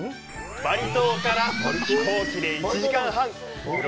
バリ島から飛行機で１時間半。